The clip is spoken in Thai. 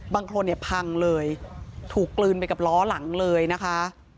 บางคนพังเลยถูกกลืนไปกับล้อหลังเลยนะคะ